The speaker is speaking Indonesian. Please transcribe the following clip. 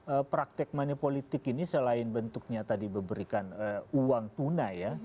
karena praktek manipolitik ini selain bentuknya tadi memberikan uang tunai ya